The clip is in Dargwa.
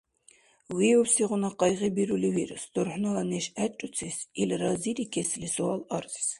Виубсигъуна къайгъи бирули вирус дурхӀнала неш гӀерруцес, ил разирикесли суал арзес.